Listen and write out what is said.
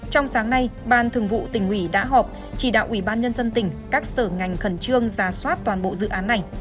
trong sáng nay ban thường vụ tỉnh ủy đã họp chỉ đạo ủy ban nhân dân tỉnh các sở ngành khẩn trương giả soát toàn bộ dự án này